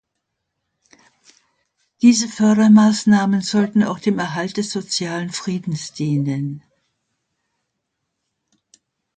Diese Fördermaßnahmen sollten auch dem Erhalt des Sozialen Friedens dienen.